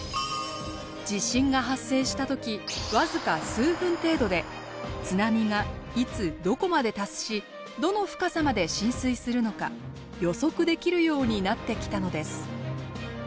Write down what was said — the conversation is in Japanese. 地震が発生した時わずか数分程度で津波がいつどこまで達しどの深さまで浸水するのか予測できるようになってきたのです。